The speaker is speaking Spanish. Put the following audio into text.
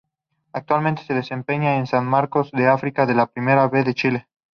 Actualmente se desempeña en San Marcos de Arica de la Primera B de Chile.